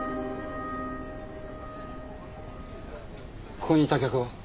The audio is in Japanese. ここにいた客は？